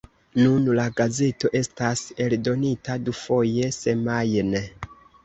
Nun la gazeto estas eldonita dufoje semajne.